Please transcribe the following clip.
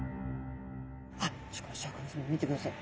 あシャーク香音さま見てください。